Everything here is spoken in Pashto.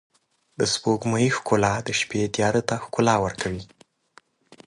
د سپوږمۍ ښکلا د شپې تیاره ته ښکلا ورکوي.